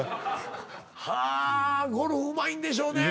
はあゴルフうまいんでしょうねぇ。